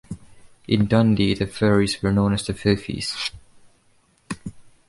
In Dundee, the ferries were known as "the Fifies".